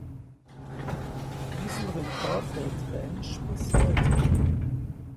Diesen Rekord hält Rensch bis heute.